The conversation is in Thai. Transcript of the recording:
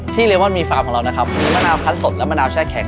เรมอนมีฟาร์มของเรานะครับมีมะนาวคันสดและมะนาวแช่แข็ง